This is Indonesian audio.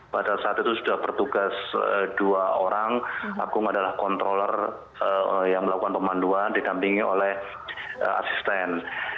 pada saat itu sudah bertugas dua orang aku adalah controller yang melakukan pemanduan didampingi oleh asisten